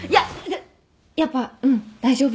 やっぱうん大丈夫。